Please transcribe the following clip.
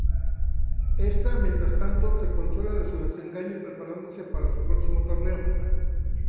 Esta, mientras tanto, se consuela de su desengaño preparándose para su próximo torneo.